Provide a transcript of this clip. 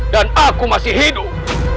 dan aku masih hidup